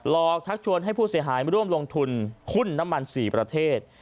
อกชักชวนให้ผู้เสียหายมาร่วมลงทุนหุ้นน้ำมัน๔ประเทศ